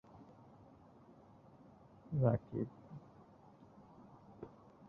এছাড়াও, তিনি দশটি একদিনের আন্তর্জাতিকে অংশ নিয়েছিলেন।